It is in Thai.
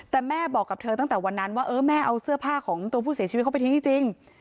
แต่แม่บอกกับเธอตั้งแต่วันนั้นว่าเออแม่เอาเสื้อผ้าของตัวผู้เสียชีวิตเขาไปทิ้งจริง